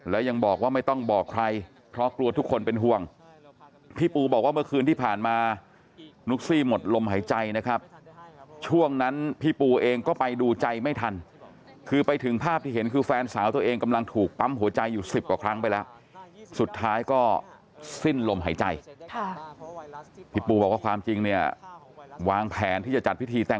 แล้วยังบอกว่าไม่ต้องบอกใครเพราะกลัวทุกคนเป็นห่วงพี่ปูบอกว่าเมื่อคืนที่ผ่านมานุ๊กซี่หมดลมหายใจนะครับช่วงนั้นพี่ปูเองก็ไปดูใจไม่ทันคือไปถึงภาพที่เห็นคือแฟนสาวตัวเองกำลังถูกปั๊มหัวใจอยู่สิบกว่าครั้งไปแล้วสุดท้ายก็สิ้นลมหายใจค่ะพี่ปูบอกว่าความจริงเนี่ยวางแผนที่จะจัดพิธีแต่ง